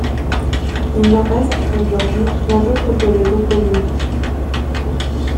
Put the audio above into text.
Il n'en reste, aujourd'hui, rien d'autre que le toponyme.